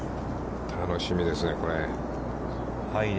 楽しみですね、これ。